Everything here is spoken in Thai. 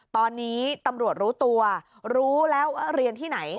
ตอนนี้ตำรวจรู้ตัวรู้แล้วว่าเรียนที่ไหน